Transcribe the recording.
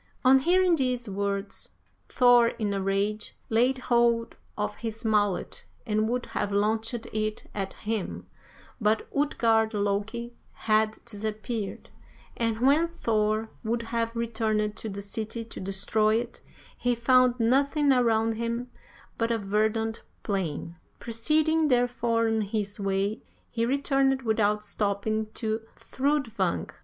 "On hearing these words, Thor, in a rage, laid hold of his mallet and would have launched it at him, but Utgard Loki had disappeared, and when Thor would have returned to the city to destroy it, he found nothing around him but a verdant plain. Proceeding, therefore, on his way, he returned without stopping to Thrudvang.